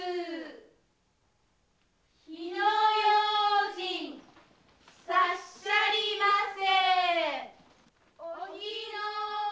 火の用心さっしゃりませ！